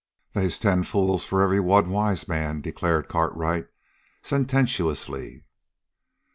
"They's ten fools for one wise man," declared Cartwright sententiously.